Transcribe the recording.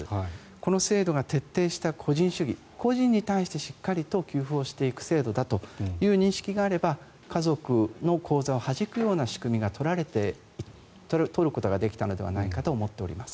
この制度が徹底した個人主義個人に対してしっかりと給付をしていく制度だという認識があれば家族の口座をはじくような仕組みを取ることができたのではないかと思っております。